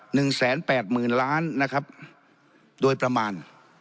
หนึ่งแสนแปดหมื่นล้านนะครับโดยประมาณ